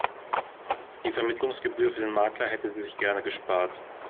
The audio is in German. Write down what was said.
Die Vermittlungsgebühr für den Makler hätte sie sich gerne gespart.